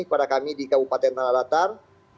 kepada kami di kabupaten tanah latar